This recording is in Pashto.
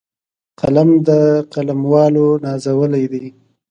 قلم د قلموالو نازولی دی